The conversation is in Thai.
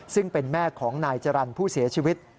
ซึ่งเป็นแม่ของนายจรรย์ผู้เสียชีวิต